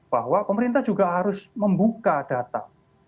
bahwa pemerintah juga harus membuka data